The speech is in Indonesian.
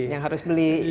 yang harus beli